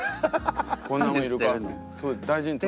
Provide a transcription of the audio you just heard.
こんなもんいるかって。